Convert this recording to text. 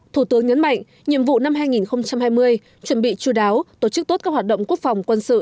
thủ tướng nhấn mạnh nhiệm vụ năm hai nghìn hai mươi chuẩn bị chú đáo tổ chức tốt các hoạt động quốc phòng quân sự